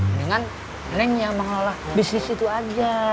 mendingan rink yang mengelola bisnis itu aja